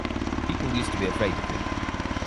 People used to be afraid of him.